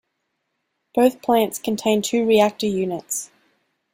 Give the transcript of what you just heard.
Both plants contain two reactor units.